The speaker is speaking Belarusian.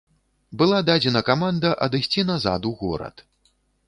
Была дадзена каманда адысці назад у горад.